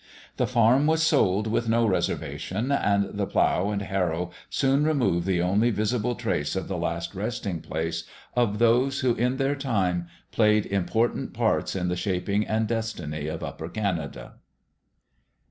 The farm was sold with no reservation, and the plough and harrow soon removed the only visible trace of the last resting place of those who, in their time, played important parts in shaping the destiny of Upper Canada.